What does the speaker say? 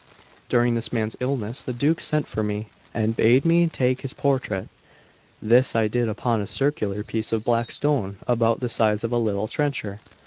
During this man's illness the Duke sent for me, and bade me take his portrait; this I did upon a circular piece of black stone about the size of a little trencher.